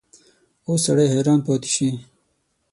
اوس سړی حیران پاتې شي.